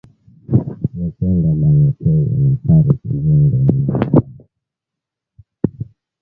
Mitenda banyekeye makari ku jembe ya mama nayo